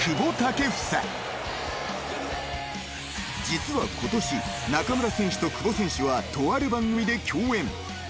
［実は今年中村選手と久保選手はとある番組で共演］